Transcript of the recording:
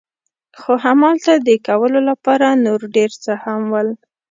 خو همالته د کولو لپاره نور ډېر څه هم ول.